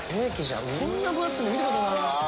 こんな分厚いの見たことない。